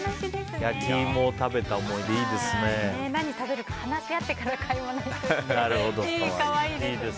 焼き芋を食べた思い出何を食べるか話し合ってから買い物に行くって可愛いですね。